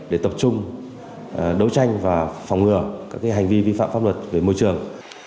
để tập trung đấu tranh và phòng ngừa các hành vi vi phạm pháp luật về môi trường